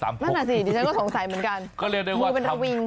นั่นแหละสิดิฉันก็สงสัยเหมือนกัน